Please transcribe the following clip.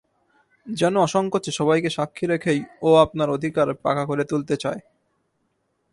যেন অসংকোচে সবাইকে সাক্ষী রেখেই ও আপনার অধিকার পাকা করে তুলতে চায়।